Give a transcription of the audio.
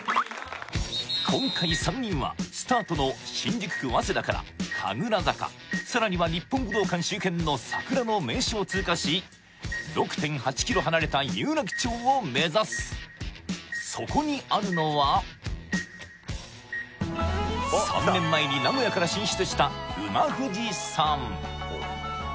今回３人はスタートの新宿区早稲田から神楽坂さらには日本武道館周辺の桜の名所を通過し６．８ｋｍ離れた有楽町を目指すそこにあるのは３年前に名古屋から進出したうな富士さん